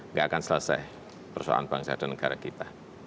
nggak akan selesai persoalan bangsa dan negara kita